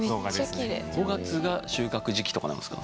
５月が収穫時期とかなんですか？